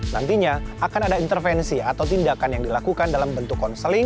nantinya akan ada intervensi atau tindakan yang dilakukan dalam bentuk konseling